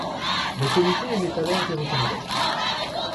Le Comité émet alors des recommandations.